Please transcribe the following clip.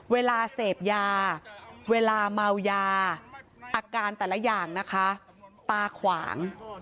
เวลาเสพยาเวลาเมายาอาการแต่ละอย่างนะคะตาขวาง